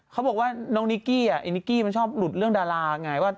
เขาบอกว่าน้องนิกกี้ไอ้นิกกี้มันชอบหลุดเรื่องดาราไงว่า